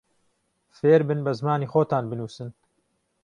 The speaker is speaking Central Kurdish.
فێربن بە زمانی خۆتان بنووسن